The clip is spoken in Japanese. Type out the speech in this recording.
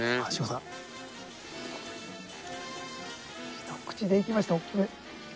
一口でいきました大きめ。